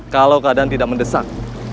kalau keadaan tidak mendesak